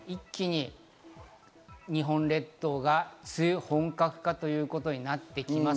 一気に日本列島が梅雨本格化ということになってきます。